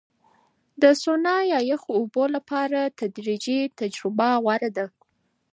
د سونا یا یخو اوبو لپاره تدریجي تجربه غوره ده.